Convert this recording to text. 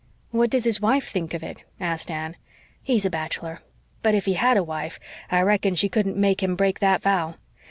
"What does his wife think of it?" asked Anne. "He's a bachelor. But if he had a wife I reckon she couldn't make him break that vow.